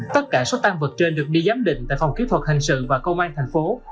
tất cả số tan vật trên được đi giám định tại phòng kỹ thuật hành sự và công an tp hcm